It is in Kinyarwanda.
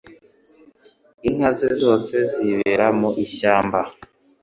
Inka ze zose zibera mu ishyamba